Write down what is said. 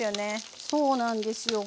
そうなんですよ。